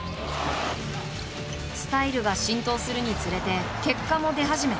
スタイルが浸透するにつれて結果も出始め